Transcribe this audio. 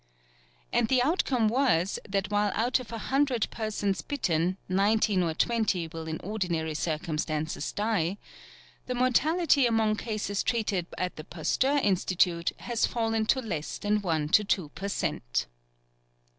And the outcome was, that while out of a hundred persons bitten, nineteen or twenty will in ordinary circumstances die, "the mortality among cases treated at the Pasteur Institute has fallen to less than 1 2 per cent."